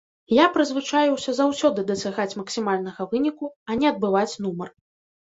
Я прызвычаіўся заўсёды дасягаць максімальнага выніку, а не адбываць нумар.